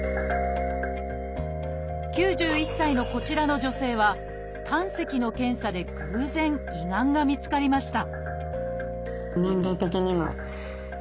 ９１歳のこちらの女性は胆石の検査で偶然胃がんが見つかりました